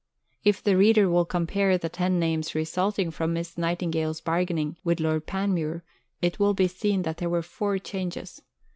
If the reader will compare the ten names resulting from Miss Nightingale's bargaining with Lord Panmure, it will be seen that there were four changes.